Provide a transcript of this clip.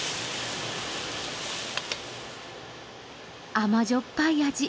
甘じょっぱい味